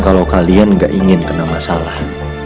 kalau kalian gak ingin kena masalah